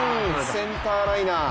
センターライナー。